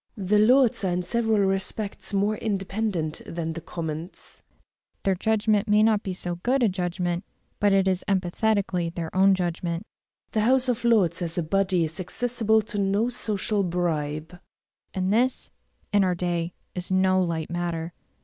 The Lords are in several respects more independent than the Commons; their judgment may not be so good a judgment, but it is emphatically their own judgment. The House of Lords, as a body, is accessible to no social bribe. And this, in our day, is no light matter.